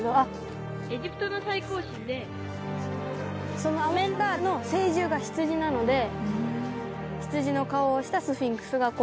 そのアメン・ラーの聖獣が羊なので羊の顔をしたスフィンクスがこう並んでる。